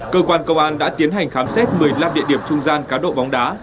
cơ quan công an đã tiến hành khám xét một mươi năm địa điểm trung gian cá độ bóng đá